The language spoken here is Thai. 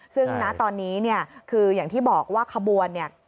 ซึ่งณตอนนี้เนี่ยคืออย่างที่บอกว่าขบวนเนี่ย